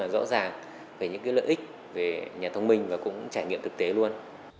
rất là rõ ràng về những lợi ích về nhà thông minh và cũng trải nghiệm thực tế luôn